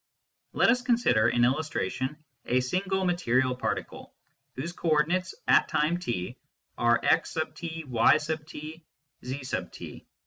Let us consider, in illustration, a single material particle, whose co ordinates at time t are x t , y t , z t